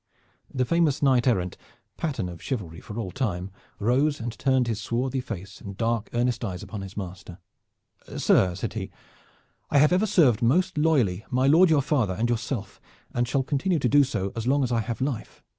The famous knight errant, pattern of chivalry for all time; rose and turned his swarthy face and dark earnest eyes upon his master. "Sir," said he, "I have ever served most loyally my lord your father and yourself, and shall continue so to do so long as I have life.